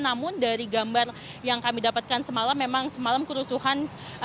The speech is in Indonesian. namun dari gambar yang kami dapatkan semalam memang semalam kerusuhan